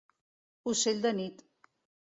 Ocell de nit.